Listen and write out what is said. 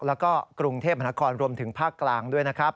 แล้วก็กรุงเทพมหานครรวมถึงภาคกลางด้วยนะครับ